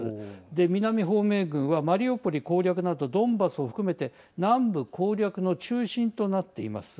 で、南方面軍はマリウポリ攻略などドンバスを含めて南部攻略の中心となっています。